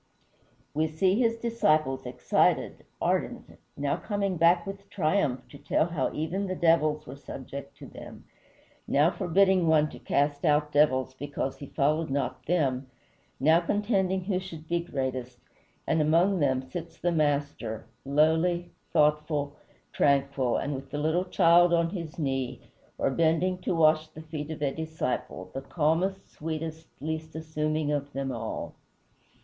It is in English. We see his disciples excited, ardent, now coming back with triumph to tell how even the devils were subject to them, now forbidding one to cast out devils because he followed not them, now contending who should be greatest; and among them sits the Master, lowly, thoughtful, tranquil, with the little child on his knee, or bending to wash the feet of a disciple, the calmest, sweetest, least assuming of them all.